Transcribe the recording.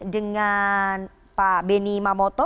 dengan pak beni mamoto